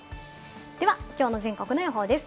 では、きょうの全国の予報です。